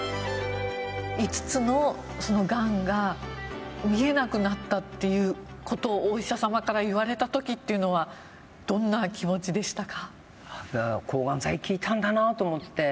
５つのがんが見えなくなったっていうことをお医者様から言われた時というのはどんな気持ちでしたか。